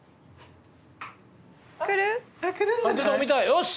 よし！